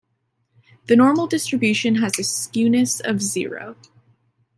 The normal distribution has a skewness of zero.